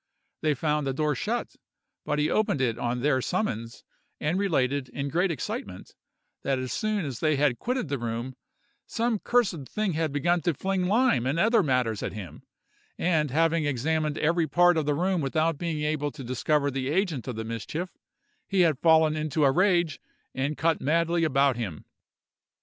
They found the door shut, but he opened it on their summons, and related, in great excitement, that as soon as they had quitted the room, some cursed thing had begun to fling lime and other matters at him, and, having examined every part of the room without being able to discover the agent of the mischief, he had fallen into a rage and cut madly about him.